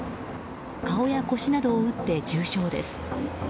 顔や腰などを打って重傷です。